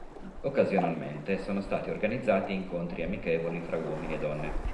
Occasionalmente sono stati organizzati incontri amichevoli fra uomini e donne.